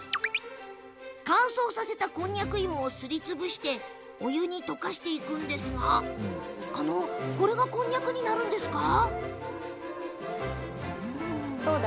乾燥させたこんにゃく芋をすりつぶしてお湯に溶かしていくのですがこれがこんにゃくになるんですか。